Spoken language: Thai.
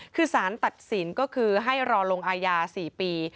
คือสารตัดสินก็คือให้รอลงอาญา๔ปี